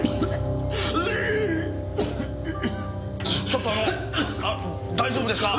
ちょっとあの大丈夫ですか？